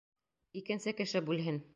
Икенсе кеше бүлһен!